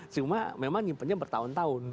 cuma memang nyimpannya bertahun tahun